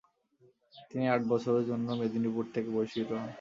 তিনি আট বছরের জন্য মেদিনীপুর থেকে বহিষ্কৃত হন।